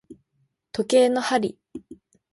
時計の針